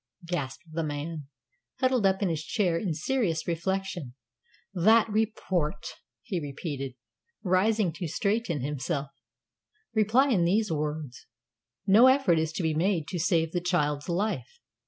gasped the man, huddled up in his chair in serious reflection. "That report!" he repeated, rising to straighten himself. "Reply in these words: 'No effort is to be made to save the child's life.